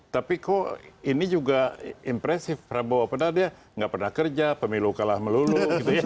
tapi kok ini juga impresif prabowo pernah dia nggak pernah kerja pemilu kalah melulu